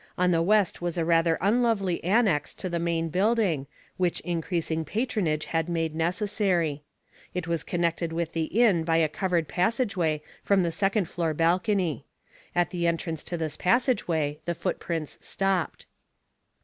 On the west was a rather unlovely annex to the main building, which increasing patronage had made necessary. It was connected with the inn by a covered passageway from the second floor balcony. At the entrance to this passageway the footprints stopped.